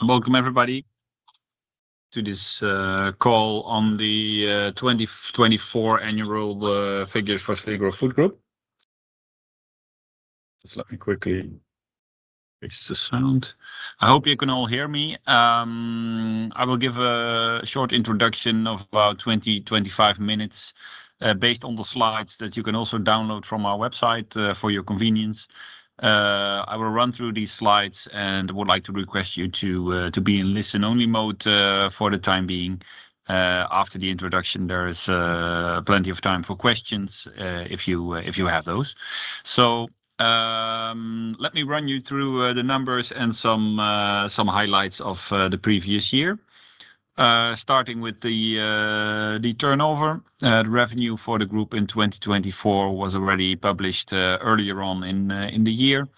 Welcome everybody to this call on the 2024 annual figures for Sligro Food Group. Just let me quickly fix the sound. I hope you can all hear me. I will give a short introduction of about 20-25 minutes based on the slides that you can also download from our website for your convenience. I will run through these slides and would like to request you to be in listen-only mode for the time being. After the introduction, there is plenty of time for questions if you have those. Let me run you through the numbers and some highlights of the previous year. Starting with the turnover, the revenue for the group in 2024 was already published earlier on in the year.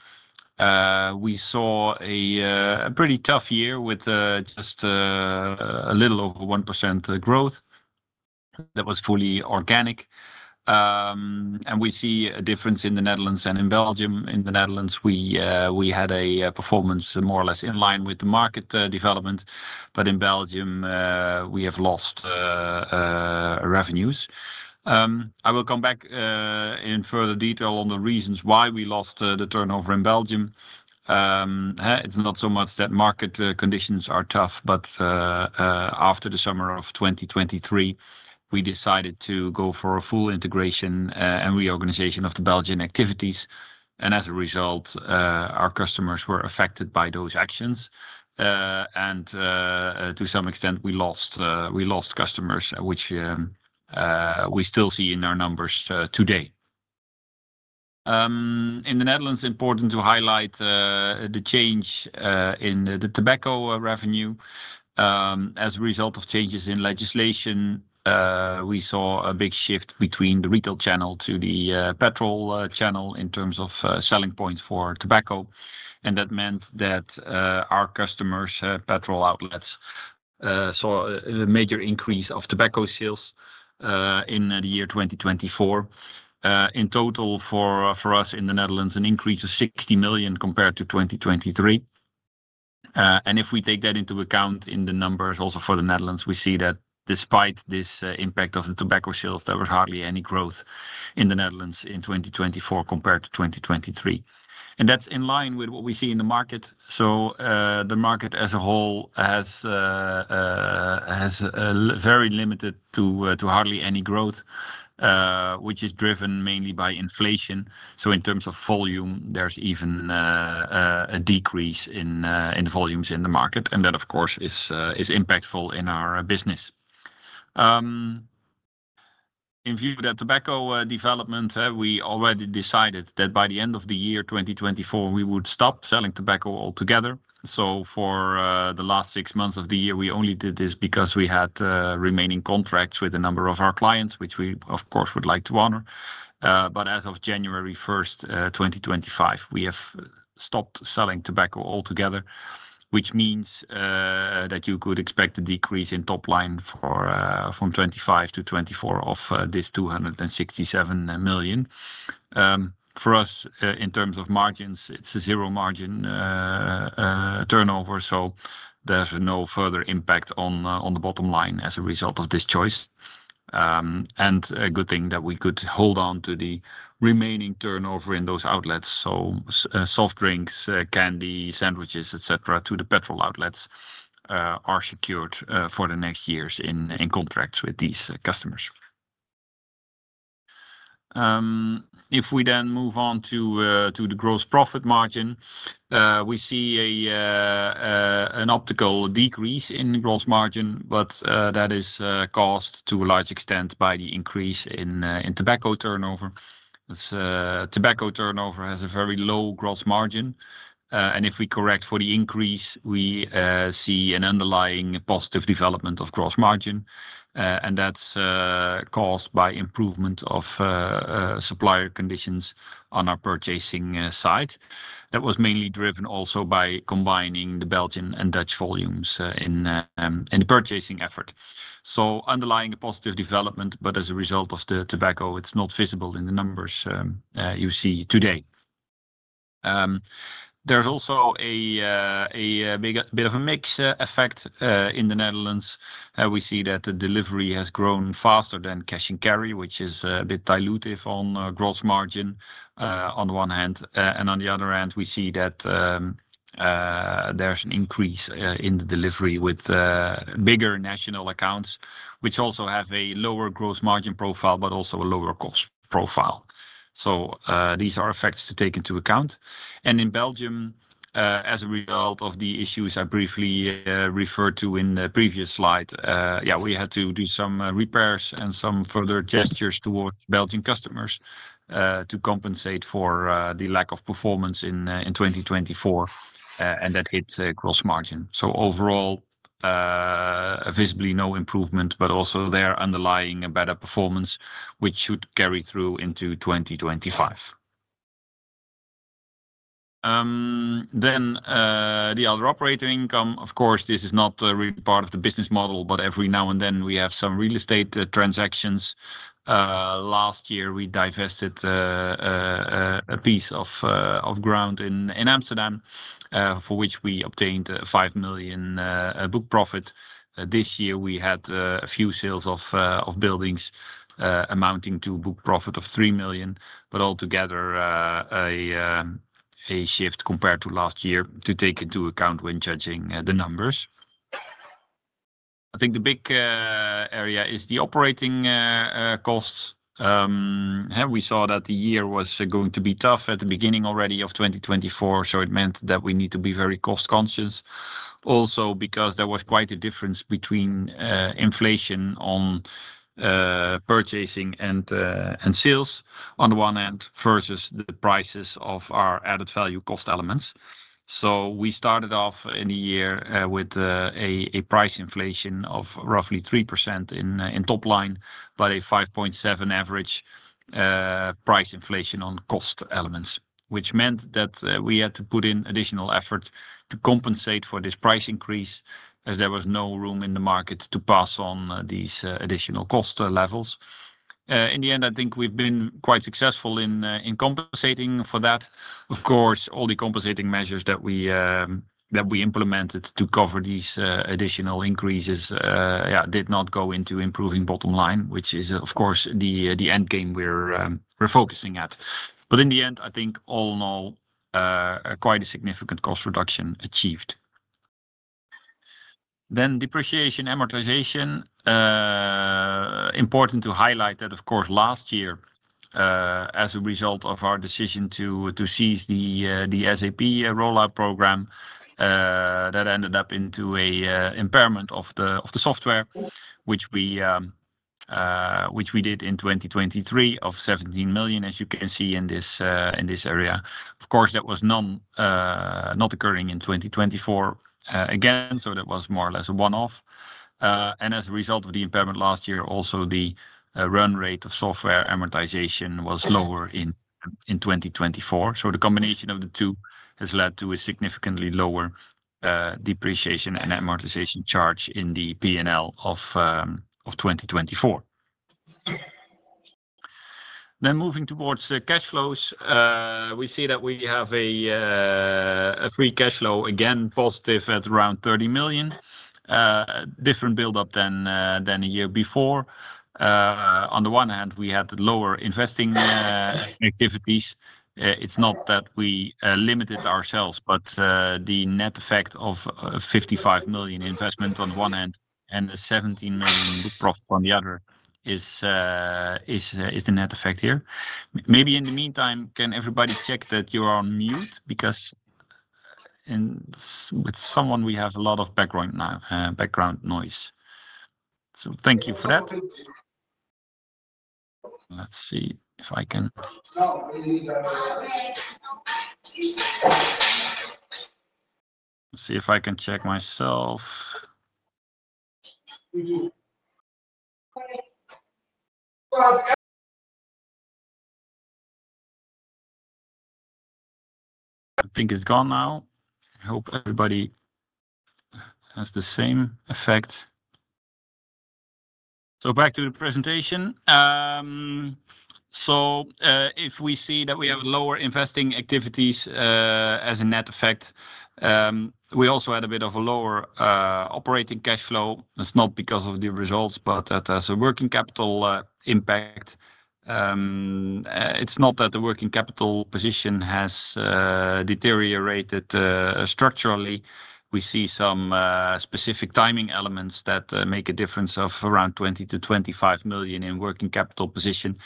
We saw a pretty tough year with just a little over 1% growth that was fully organic. We see a difference in the Netherlands and in Belgium. In the Netherlands, we had a performance more or less in line with the market development, but in Belgium, we have lost revenues. I will come back in further detail on the reasons why we lost the turnover in Belgium. It is not so much that market conditions are tough, but after the summer of 2023, we decided to go for a full integration and reorganization of the Belgian activities. As a result, our customers were affected by those actions. To some extent, we lost customers, which we still see in our numbers today. In the Netherlands, it is important to highlight the change in the tobacco revenue. As a result of changes in legislation, we saw a big shift between the retail channel to the petrol channel in terms of selling points for tobacco. That meant that our customers, petrol outlets, saw a major increase of tobacco sales in the year 2024. In total, for us in the Netherlands, an increase of 60 million compared to 2023. If we take that into account in the numbers also for the Netherlands, we see that despite this impact of the tobacco sales, there was hardly any growth in the Netherlands in 2024 compared to 2023. That is in line with what we see in the market. The market as a whole has very limited to hardly any growth, which is driven mainly by inflation. In terms of volume, there is even a decrease in volumes in the market. That, of course, is impactful in our business. In view of that tobacco development, we already decided that by the end of the year 2024, we would stop selling tobacco altogether. For the last six months of the year, we only did this because we had remaining contracts with a number of our clients, which we, of course, would like to honor. As of January 1, 2025, we have stopped selling tobacco altogether, which means that you could expect a decrease in top line from 2025 to 2024 of this 267 million. For us, in terms of margins, it is a zero margin turnover. There is no further impact on the bottom line as a result of this choice. A good thing is that we could hold on to the remaining turnover in those outlets. Soft drinks, candy, sandwiches, etc., to the petrol outlets are secured for the next years in contracts with these customers. If we then move on to the gross profit margin, we see an optical decrease in gross margin, but that is caused to a large extent by the increase in tobacco turnover. Tobacco turnover has a very low gross margin. If we correct for the increase, we see an underlying positive development of gross margin. That is caused by improvement of supplier conditions on our purchasing side. That was mainly driven also by combining the Belgian and Dutch volumes in the purchasing effort. Underlying, a positive development, but as a result of the tobacco, it is not visible in the numbers you see today. There is also a bit of a mix effect in the Netherlands. We see that the delivery has grown faster than cash and carry, which is a bit dilutive on gross margin on the one hand. On the other hand, we see that there's an increase in the delivery with bigger national accounts, which also have a lower gross margin profile, but also a lower cost profile. These are effects to take into account. In Belgium, as a result of the issues I briefly referred to in the previous slide, we had to do some repairs and some further gestures towards Belgian customers to compensate for the lack of performance in 2024. That hits gross margin. Overall, visibly no improvement, but also there is underlying better performance, which should carry through into 2025. The other operating income, of course, this is not really part of the business model, but every now and then we have some real estate transactions. Last year, we divested a piece of ground in Amsterdam for which we obtained 5 million book profit. This year, we had a few sales of buildings amounting to book profit of 3 million, but altogether a shift compared to last year to take into account when judging the numbers. I think the big area is the operating costs. We saw that the year was going to be tough at the beginning already of 2024. It meant that we need to be very cost conscious. Also because there was quite a difference between inflation on purchasing and sales on the one hand versus the prices of our added value cost elements. We started off in the year with a price inflation of roughly 3% in top line, but a 5.7% average price inflation on cost elements, which meant that we had to put in additional effort to compensate for this price increase as there was no room in the market to pass on these additional cost levels. In the end, I think we've been quite successful in compensating for that. Of course, all the compensating measures that we implemented to cover these additional increases did not go into improving bottom line, which is, of course, the end game we're focusing at. In the end, I think all in all, quite a significant cost reduction achieved. Depreciation amortization, important to highlight that, of course, last year as a result of our decision to seize the SAP rollout program, that ended up into an impairment of the software, which we did in 2023 of 17 million, as you can see in this area. Of course, that was not occurring in 2024 again, so that was more or less a one-off. As a result of the impairment last year, also the run rate of software amortization was lower in 2024. The combination of the two has led to a significantly lower depreciation and amortization charge in the P&L of 2024. Moving towards cash flows, we see that we have a free cash flow, again, positive at around 30 million, different buildup than a year before. On the one hand, we had lower investing activities. It's not that we limited ourselves, but the net effect of 55 million investment on the one hand and the 17 million book profit on the other is the net effect here. Maybe in the meantime, can everybody check that you are on mute? Because with someone, we have a lot of background noise. Thank you for that. Let's see if I can check myself. I think it's gone now. I hope everybody has the same effect. Back to the presentation. If we see that we have lower investing activities as a net effect, we also had a bit of a lower operating cash flow. It's not because of the results, but that has a working capital impact. It's not that the working capital position has deteriorated structurally. We see some specific timing elements that make a difference of around 20 million-25 million in working capital position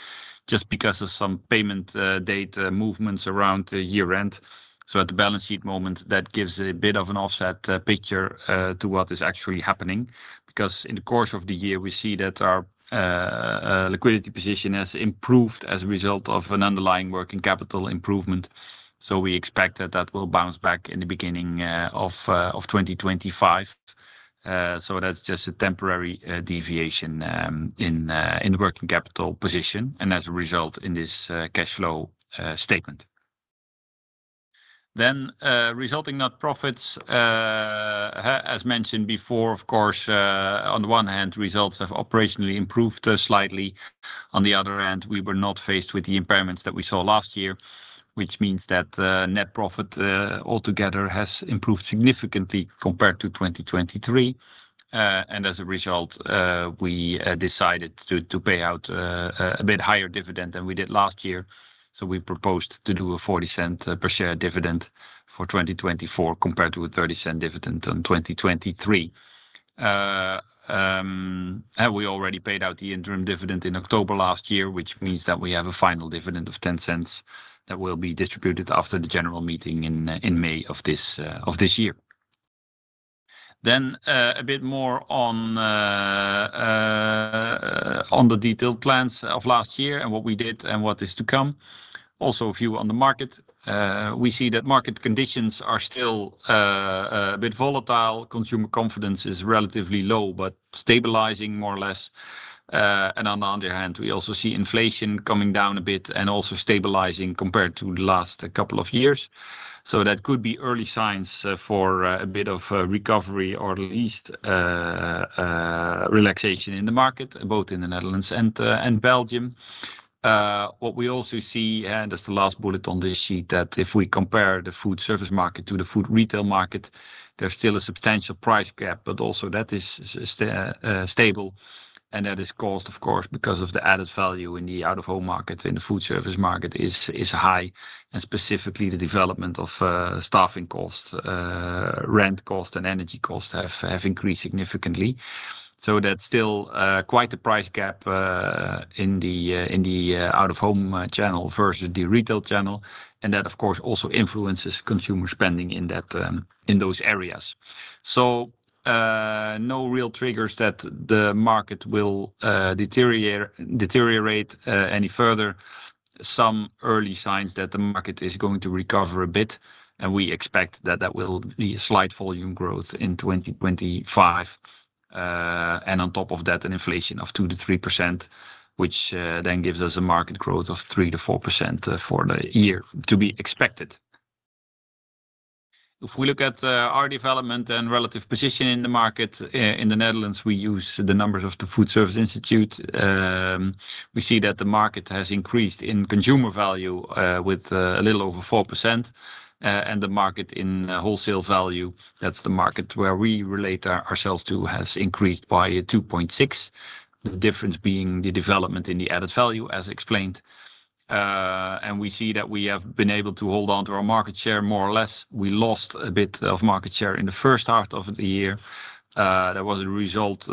just because of some payment date movements around the year end. At the balance sheet moment, that gives a bit of an offset picture to what is actually happening. In the course of the year, we see that our liquidity position has improved as a result of an underlying working capital improvement. We expect that that will bounce back in the beginning of 2025. That is just a temporary deviation in working capital position and as a result in this cash flow statement. Resulting net profits, as mentioned before, of course, on the one hand, results have operationally improved slightly. On the other hand, we were not faced with the impairments that we saw last year, which means that net profit altogether has improved significantly compared to 2023. As a result, we decided to pay out a bit higher dividend than we did last year. We proposed to do a 0.40 per share dividend for 2024 compared to a 0.30 dividend in 2023. We already paid out the interim dividend in October last year, which means that we have a final dividend of 0.10 that will be distributed after the general meeting in May of this year. A bit more on the detailed plans of last year and what we did and what is to come. Also, view on the market, we see that market conditions are still a bit volatile. Consumer confidence is relatively low, but stabilizing more or less. On the other hand, we also see inflation coming down a bit and also stabilizing compared to the last couple of years. That could be early signs for a bit of recovery or at least relaxation in the market, both in the Netherlands and Belgium. What we also see, and that is the last bullet on this sheet, is that if we compare the foodservice market to the food retail market, there is still a substantial price gap, but also that is stable. That is caused, of course, because of the added value in the out-of-home market. In the foodservice market, it is high. Specifically, the development of staffing costs, rent costs, and energy costs have increased significantly. That is still quite the price gap in the out-of-home channel versus the retail channel. That, of course, also influences consumer spending in those areas. No real triggers that the market will deteriorate any further. Some early signs that the market is going to recover a bit. We expect that that will be a slight volume growth in 2025. On top of that, an inflation of 2%-3%, which then gives us a market growth of 3%-4% for the year to be expected. If we look at our development and relative position in the market in the Netherlands, we use the numbers of the Foodservice Institute. We see that the market has increased in consumer value with a little over 4%. The market in wholesale value, that's the market where we relate ourselves to, has increased by 2.6%. The difference being the development in the added value, as explained. We see that we have been able to hold on to our market share more or less. We lost a bit of market share in the first half of the year. That was a result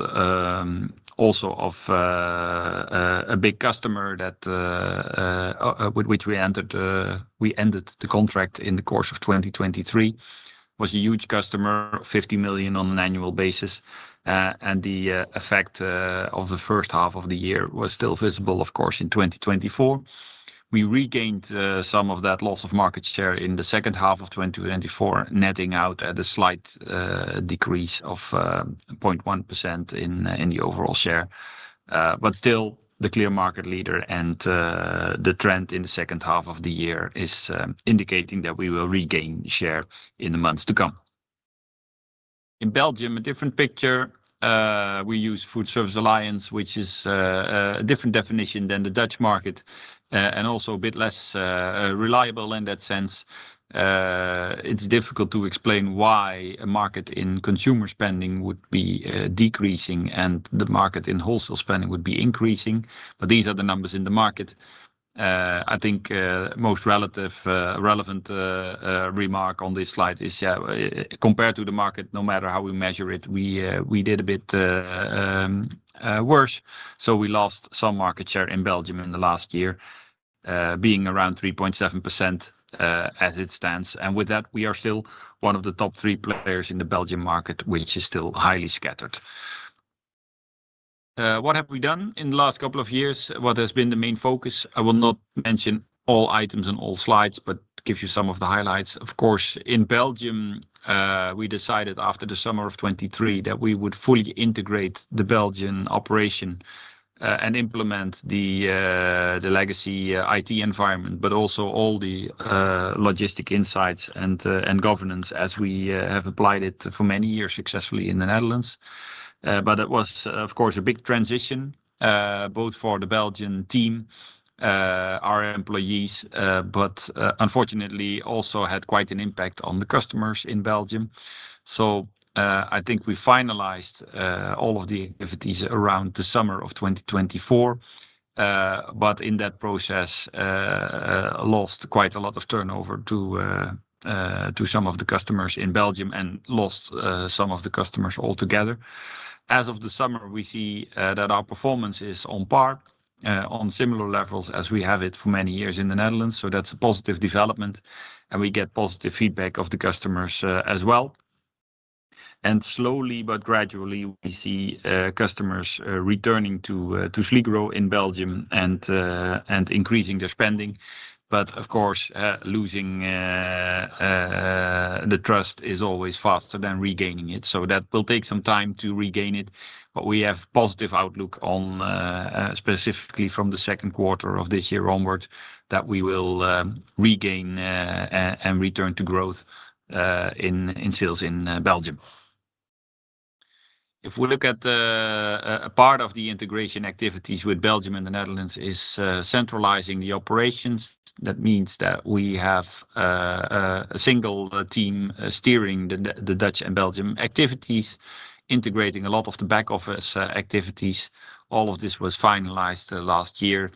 also of a big customer with which we ended the contract in the course of 2023. It was a huge customer, 50 million on an annual basis. The effect of the first half of the year was still visible, of course, in 2024. We regained some of that loss of market share in the second half of 2024, netting out at a slight decrease of 0.1% in the overall share. Still, the clear market leader and the trend in the second half of the year is indicating that we will regain share in the months to come. In Belgium, a different picture. We use Foodservice Alliance, which is a different definition than the Dutch market and also a bit less reliable in that sense. It's difficult to explain why a market in consumer spending would be decreasing and the market in wholesale spending would be increasing. These are the numbers in the market. I think most relevant remark on this slide is, yeah, compared to the market, no matter how we measure it, we did a bit worse. We lost some market share in Belgium in the last year, being around 3.7% as it stands. With that, we are still one of the top three players in the Belgian market, which is still highly scattered. What have we done in the last couple of years? What has been the main focus? I will not mention all items on all slides, but give you some of the highlights. Of course, in Belgium, we decided after the summer of 2023 that we would fully integrate the Belgian operation and implement the legacy IT environment, but also all the logistic insights and governance as we have applied it for many years successfully in the Netherlands. It was, of course, a big transition, both for the Belgian team, our employees, but unfortunately also had quite an impact on the customers in Belgium. I think we finalized all of the activities around the summer of 2024. In that process, lost quite a lot of turnover to some of the customers in Belgium and lost some of the customers altogether. As of the summer, we see that our performance is on par, on similar levels as we have it for many years in the Netherlands. That is a positive development. We get positive feedback of the customers as well. Slowly, but gradually, we see customers returning to Sligro in Belgium and increasing their spending. Of course, losing the trust is always faster than regaining it. That will take some time to regain it. We have positive outlook on specifically from the second quarter of this year onward that we will regain and return to growth in sales in Belgium. If we look at a part of the integration activities with Belgium and the Netherlands is centralizing the operations. That means that we have a single team steering the Dutch and Belgian activities, integrating a lot of the back office activities. All of this was finalized last year.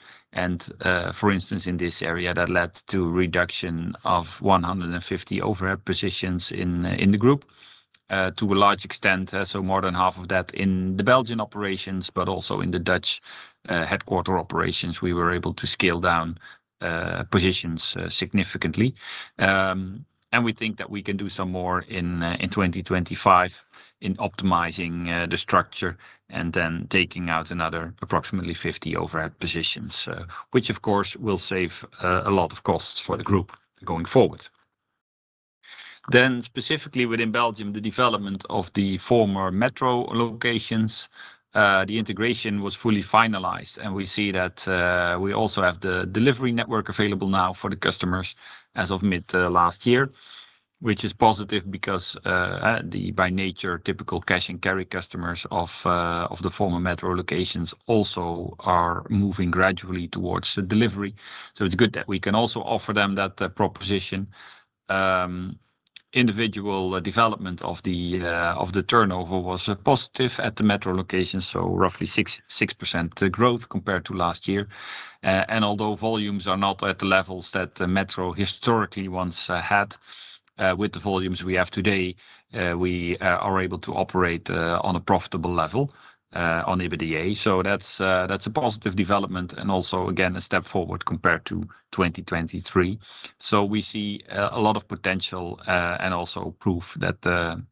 For instance, in this area, that led to reduction of 150 overhead positions in the group to a large extent. More than half of that in the Belgian operations, but also in the Dutch headquarter operations, we were able to scale down positions significantly. We think that we can do some more in 2025 in optimizing the structure and then taking out another approximately 50 overhead positions, which of course will save a lot of costs for the group going forward. Specifically within Belgium, the development of the former Metro locations, the integration was fully finalized. We see that we also have the delivery network available now for the customers as of mid last year, which is positive because the by nature typical cash and carry customers of the former Metro locations also are moving gradually towards delivery. It is good that we can also offer them that proposition. Individual development of the turnover was positive at the Metro locations, so roughly 6% growth compared to last year. Although volumes are not at the levels that Metro historically once had, with the volumes we have today, we are able to operate on a profitable level on EBITDA. That is a positive development and also, again, a step forward compared to 2023. We see a lot of potential and also proof that the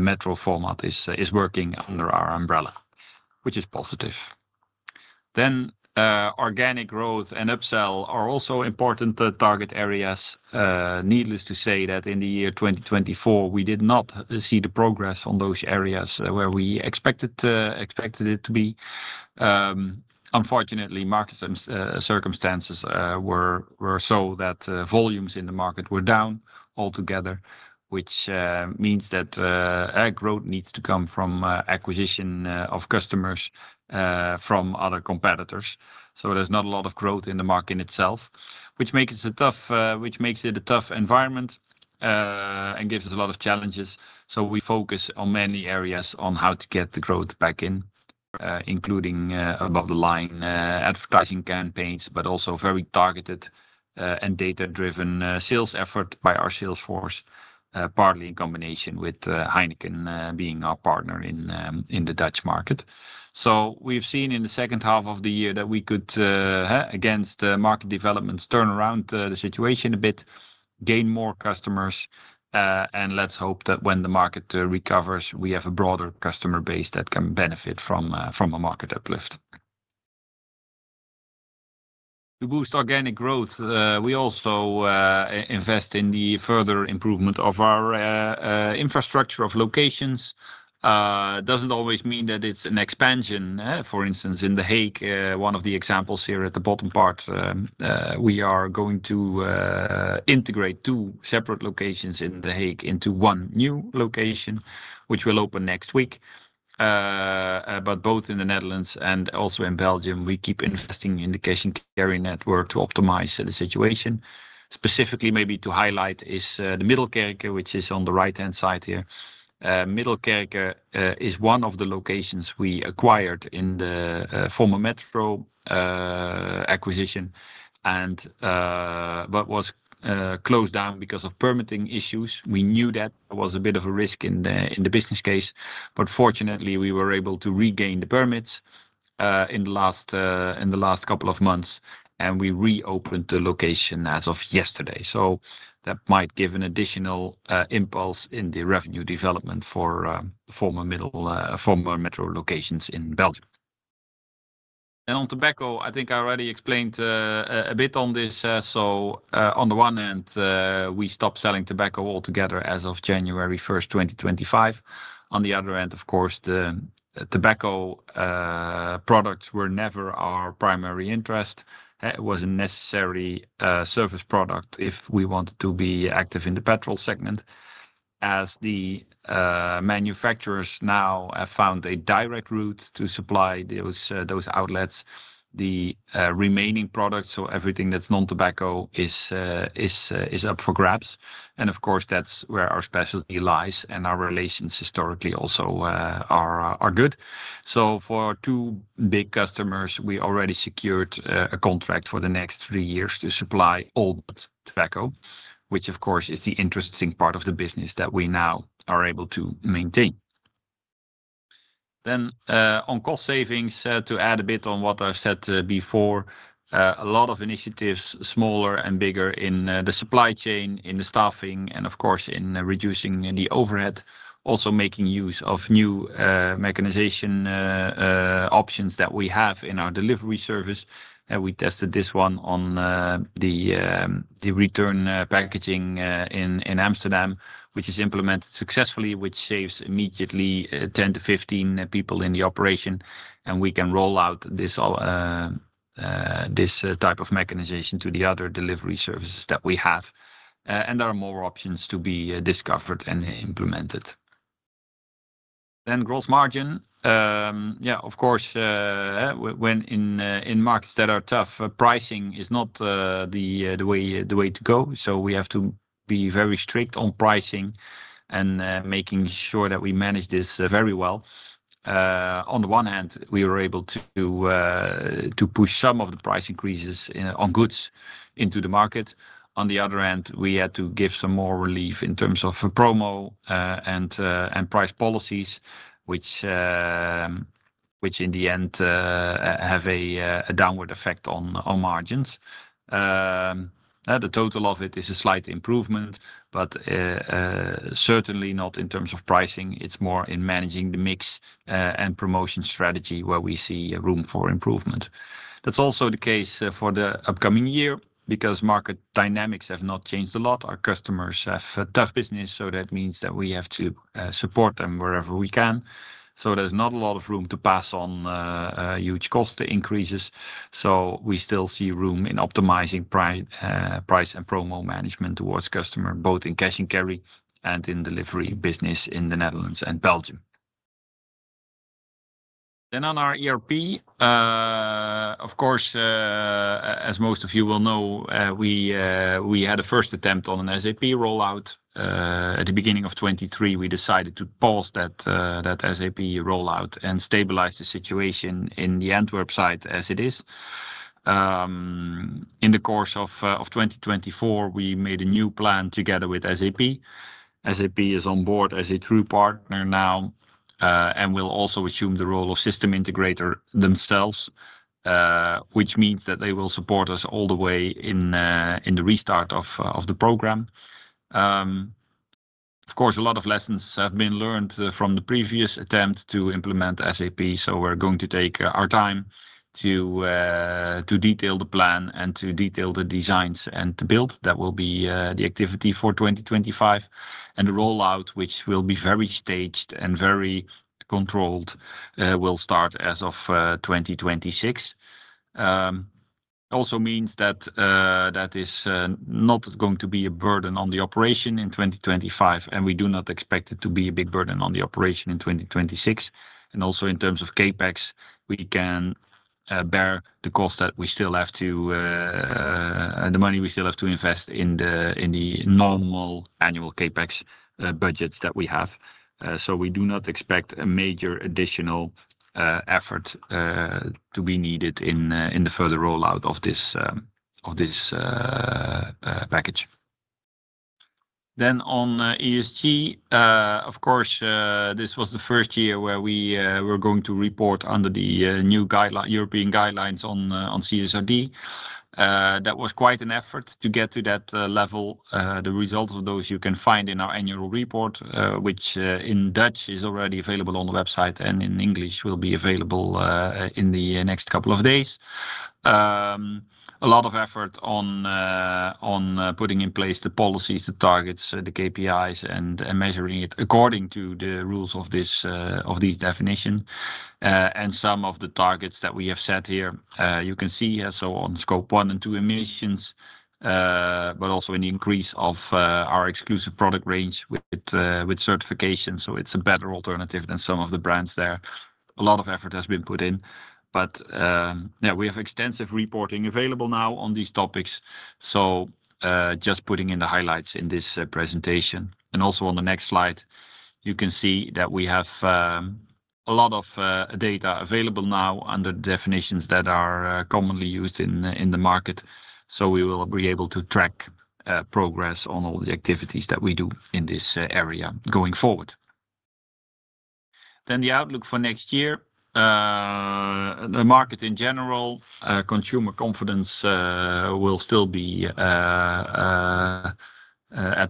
Metro format is working under our umbrella, which is positive. Organic growth and upsell are also important target areas. Needless to say that in the year 2024, we did not see the progress on those areas where we expected it to be. Unfortunately, market circumstances were so that volumes in the market were down altogether, which means that growth needs to come from acquisition of customers from other competitors. There is not a lot of growth in the market in itself, which makes it a tough environment and gives us a lot of challenges. We focus on many areas on how to get the growth back in, including above-the-line advertising campaigns, but also very targeted and data-driven sales effort by our sales force, partly in combination with Heineken being our partner in the Dutch market. We have seen in the second half of the year that we could, against market developments, turn around the situation a bit, gain more customers, and let's hope that when the market recovers, we have a broader customer base that can benefit from a market uplift. To boost organic growth, we also invest in the further improvement of our infrastructure of locations. It does not always mean that it is an expansion. For instance, in The Hague, one of the examples here at the bottom part, we are going to integrate two separate locations in The Hague into one new location, which will open next week. Both in the Netherlands and also in Belgium, we keep investing in the cash and carry network to optimize the situation. Specifically, maybe to highlight is the Middelkerke, which is on the right-hand side here. Middelkerke is one of the locations we acquired in the former Metro acquisition and what was closed down because of permitting issues. We knew that was a bit of a risk in the business case, but fortunately, we were able to regain the permits in the last couple of months, and we reopened the location as of yesterday. That might give an additional impulse in the revenue development for former Metro locations in Belgium. On tobacco, I think I already explained a bit on this. On the one hand, we stopped selling tobacco altogether as of January 1, 2025. On the other hand, of course, the tobacco products were never our primary interest. It was a necessary service product if we wanted to be active in the petrol segment. As the manufacturers now have found a direct route to supply those outlets, the remaining products, so everything that is non-tobacco, is up for grabs. Of course, that is where our specialty lies and our relations historically also are good. For two big customers, we already secured a contract for the next three years to supply all tobacco, which of course is the interesting part of the business that we now are able to maintain. On cost savings, to add a bit on what I said before, a lot of initiatives, smaller and bigger in the supply chain, in the staffing, and of course in reducing the overhead, also making use of new mechanization options that we have in our delivery service. We tested this one on the return packaging in Amsterdam, which is implemented successfully, which saves immediately 10-15 people in the operation. We can roll out this type of mechanization to the other delivery services that we have. There are more options to be discovered and implemented. Gross margin, yeah, of course, when in markets that are tough, pricing is not the way to go. We have to be very strict on pricing and making sure that we manage this very well. On the one hand, we were able to push some of the price increases on goods into the market. On the other hand, we had to give some more relief in terms of promo and price policies, which in the end have a downward effect on margins. The total of it is a slight improvement, but certainly not in terms of pricing. It's more in managing the mix and promotion strategy where we see room for improvement. That's also the case for the upcoming year because market dynamics have not changed a lot. Our customers have tough business, so that means that we have to support them wherever we can. There is not a lot of room to pass on huge cost increases. We still see room in optimizing price and promo management towards customers, both in cash and carry and in delivery business in the Netherlands and Belgium. On our ERP, of course, as most of you will know, we had a first attempt on an SAP rollout. At the beginning of 2023, we decided to pause that SAP rollout and stabilize the situation in the Antwerp site as it is. In the course of 2024, we made a new plan together with SAP. SAP is on board as a true partner now and will also assume the role of system integrator themselves, which means that they will support us all the way in the restart of the program. Of course, a lot of lessons have been learned from the previous attempt to implement SAP. We are going to take our time to detail the plan and to detail the designs and to build. That will be the activity for 2025. The rollout, which will be very staged and very controlled, will start as of 2026. Also means that that is not going to be a burden on the operation in 2025, and we do not expect it to be a big burden on the operation in 2026. Also in terms of CapEx, we can bear the cost that we still have to, the money we still have to invest in the normal annual CapEx budgets that we have. We do not expect a major additional effort to be needed in the further rollout of this package. On ESG, of course, this was the first year where we were going to report under the new European guidelines on CSRD. That was quite an effort to get to that level. The results of those you can find in our annual report, which in Dutch is already available on the website and in English will be available in the next couple of days. A lot of effort on putting in place the policies, the targets, the KPIs, and measuring it according to the rules of these definitions. Some of the targets that we have set here, you can see on Scope 1 and 2 emissions, but also in the increase of our exclusive product range with certification. It is a better alternative than some of the brands there. A lot of effort has been put in, but yeah, we have extensive reporting available now on these topics. Just putting in the highlights in this presentation. Also on the next slide, you can see that we have a lot of data available now under the definitions that are commonly used in the market. We will be able to track progress on all the activities that we do in this area going forward. The outlook for next year, the market in general, consumer confidence will still be at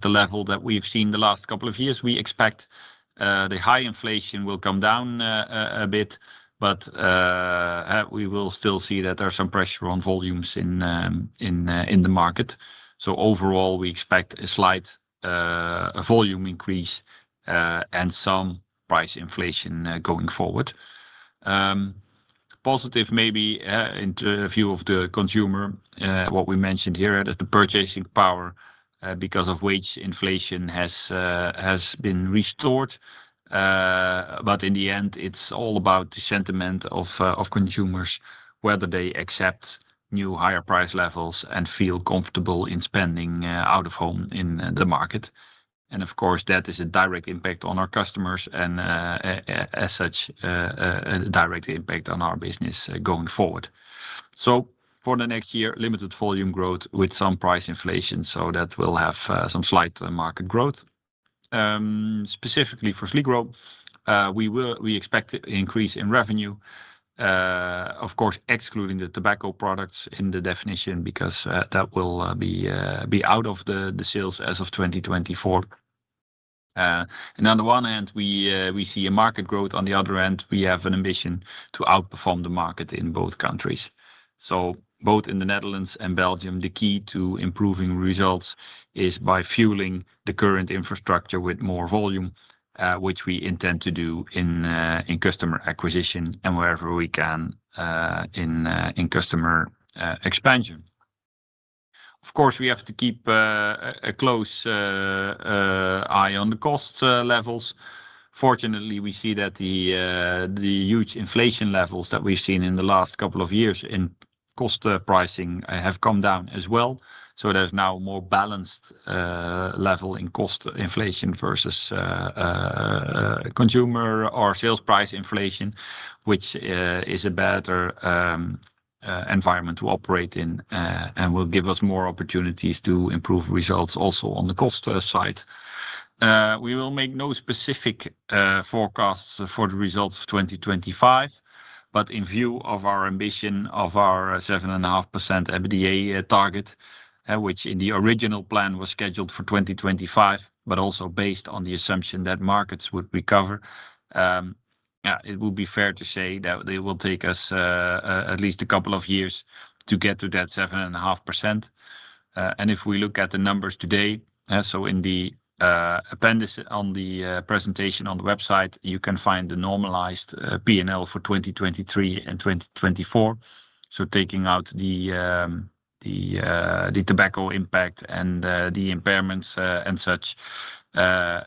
the level that we've seen the last couple of years. We expect the high inflation will come down a bit, but we will still see that there's some pressure on volumes in the market. Overall, we expect a slight volume increase and some price inflation going forward. Positive maybe in view of the consumer, what we mentioned here is the purchasing power because of which inflation has been restored. In the end, it's all about the sentiment of consumers, whether they accept new higher price levels and feel comfortable in spending out of home in the market. Of course, that is a direct impact on our customers and as such, a direct impact on our business going forward. For the next year, limited volume growth with some price inflation, so that will have some slight market growth. Specifically for Sligro, we expect an increase in revenue, of course, excluding the tobacco products in the definition because that will be out of the sales as of 2024. On the one hand, we see a market growth. On the other hand, we have an ambition to outperform the market in both countries. Both in the Netherlands and Belgium, the key to improving results is by fueling the current infrastructure with more volume, which we intend to do in customer acquisition and wherever we can in customer expansion. Of course, we have to keep a close eye on the cost levels. Fortunately, we see that the huge inflation levels that we've seen in the last couple of years in cost pricing have come down as well. There is now a more balanced level in cost inflation versus consumer or sales price inflation, which is a better environment to operate in and will give us more opportunities to improve results also on the cost side. We will make no specific forecasts for the results of 2025, but in view of our ambition of our 7.5% EBITDA target, which in the original plan was scheduled for 2025, but also based on the assumption that markets would recover, it would be fair to say that it will take us at least a couple of years to get to that 7.5%. If we look at the numbers today, in the appendix on the presentation on the website, you can find the normalized P&L for 2023 and 2024. Taking out the tobacco impact and the impairments and such,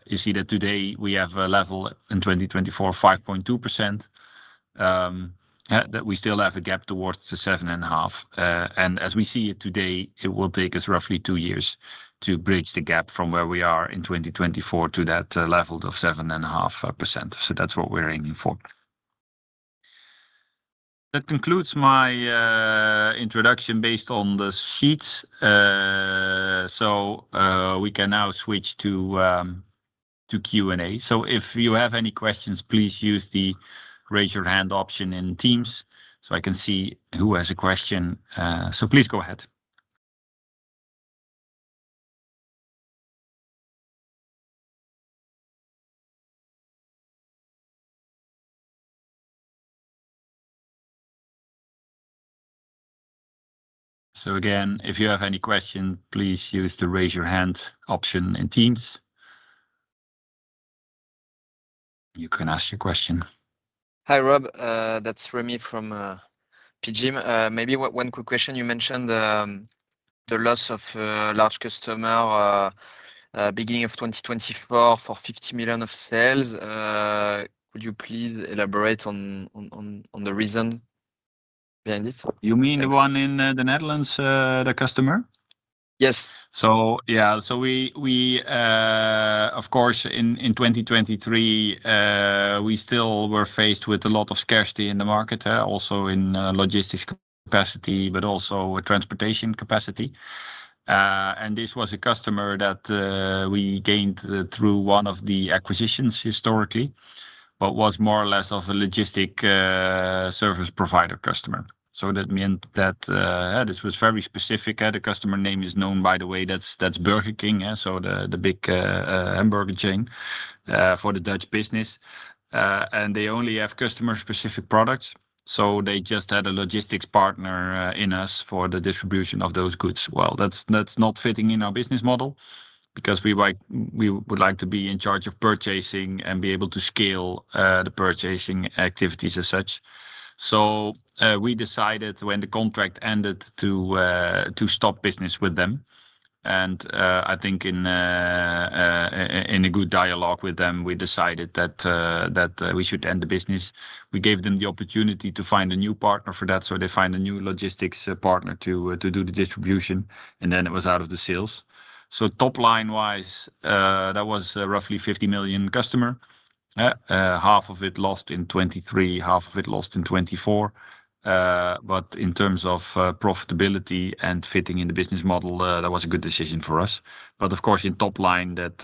you see that today we have a level in 2024 of 5.2%. We still have a gap towards the 7.5%. As we see it today, it will take us roughly two years to bridge the gap from where we are in 2024 to that level of 7.5%. That is what we are aiming for. That concludes my introduction based on the sheets. We can now switch to Q&A. If you have any questions, please use the raise your hand option in Teams. I can see who has a question. Please go ahead. Again, if you have any questions, please use the raise your hand option in Teams. You can ask your question. Hi Rob, that is Remi from PGIM. Maybe one quick question. You mentioned the loss of a large customer beginning of 2024 for 50 million of sales. Could you please elaborate on the reason behind this? You mean the one in the Netherlands, the customer? Yes. Yeah, of course, in 2023, we still were faced with a lot of scarcity in the market, also in logistics capacity, but also transportation capacity. This was a customer that we gained through one of the acquisitions historically, but was more or less a logistic service provider customer. That meant that this was very specific. The customer name is known, by the way, that's Burger King, so the big hamburger chain for the Dutch business. They only have customer-specific products. They just had a logistics partner in us for the distribution of those goods. That's not fitting in our business model because we would like to be in charge of purchasing and be able to scale the purchasing activities as such. We decided when the contract ended to stop business with them. I think in a good dialogue with them, we decided that we should end the business. We gave them the opportunity to find a new partner for that. They found a new logistics partner to do the distribution. It was out of the sales. Top line-wise, that was roughly 50 million customers. Half of it lost in 2023, half of it lost in 2024. In terms of profitability and fitting in the business model, that was a good decision for us. Of course, in top line, that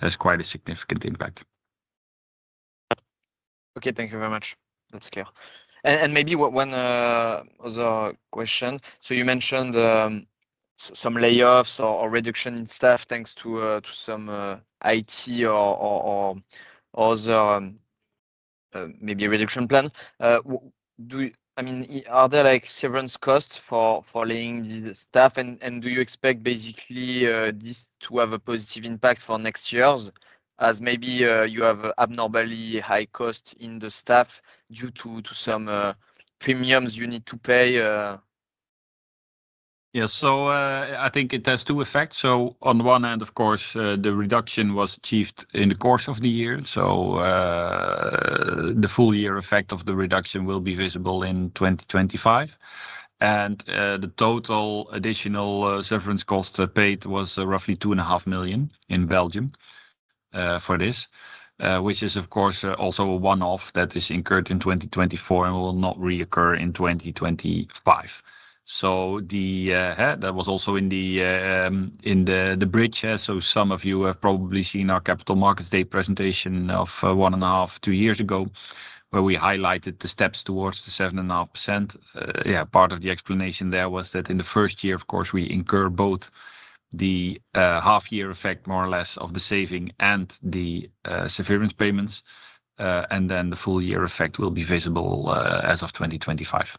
has quite a significant impact. Okay, thank you very much. That's clear. Maybe one other question. You mentioned some layoffs or reduction in staff thanks to some IT or other maybe reduction plan. I mean, are there like severance costs for laying staff? Do you expect basically this to have a positive impact for next years as maybe you have abnormally high costs in the staff due to some premiums you need to pay? Yeah, I think it has two effects. On one end, of course, the reduction was achieved in the course of the year. The full year effect of the reduction will be visible in 2025. The total additional severance cost paid was roughly 2.5 million in Belgium for this, which is, of course, also a one-off that is incurred in 2024 and will not reoccur in 2025. That was also in the bridge. Some of you have probably seen our Capital Markets Day presentation of one and a half, two years ago, where we highlighted the steps towards the 7.5%. Part of the explanation there was that in the first year, of course, we incur both the half-year effect, more or less, of the saving and the severance payments. The full year effect will be visible as of 2025.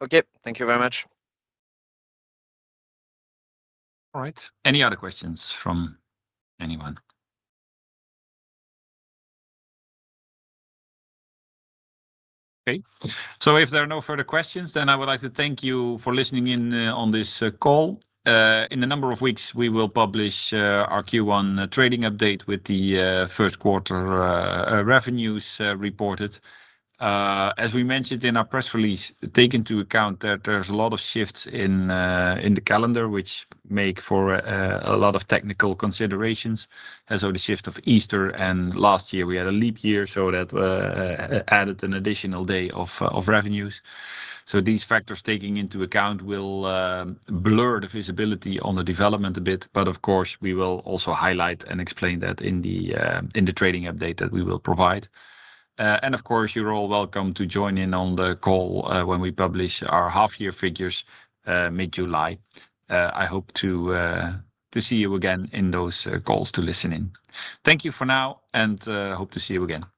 Thank you very much. All right. Any other questions from anyone? If there are no further questions, then I would like to thank you for listening in on this call. In a number of weeks, we will publish our Q1 trading update with the first quarter revenues reported. As we mentioned in our press release, take into account that there is a lot of shifts in the calendar, which make for a lot of technical considerations. The shift of Easter, and last year we had a leap year, so that added an additional day of revenues. These factors taking into account will blur the visibility on the development a bit. Of course, we will also highlight and explain that in the trading update that we will provide. Of course, you're all welcome to join in on the call when we publish our half-year figures mid-July. I hope to see you again in those calls to listen in. Thank you for now, and hope to see you again. Bye-bye.